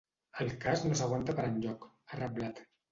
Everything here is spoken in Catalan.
El cas no s’aguanta per enlloc, ha reblat.